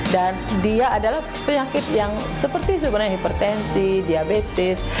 dan dia adalah penyakit yang seperti sebenarnya hipertensi diabetes